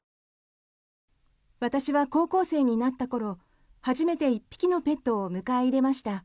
私は高校生になった頃初めて１匹のペットを迎え入れました。